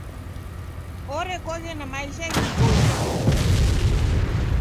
Orekoghe na maisha ghiboie.